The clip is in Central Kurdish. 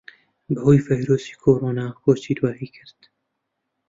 بەھۆی ڤایرۆسی کۆرۆنا کۆچی دواییی کرد